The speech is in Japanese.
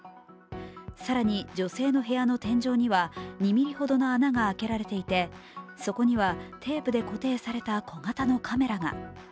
更に、女性の部屋の天井には２ｍｍほどの穴が開けられていてそこには、テープで固定された小型のカメラが。